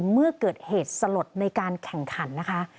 เมื่อเกิดเหตุสลดในการแข่งขันนะคะ